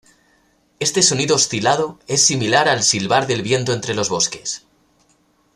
Este sonido oscilado es similar al silbar del viento entre los bosques.